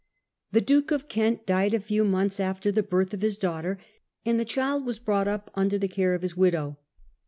The Duke of Kent died a few months after the birth of his daughter, and the child was brought up under the care of his widow.